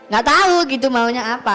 gak tau gitu maunya apa